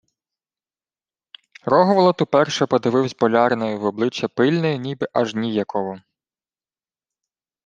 Рогволод уперше подививсь боляринові в обличчя пильне й ніби аж ніяково.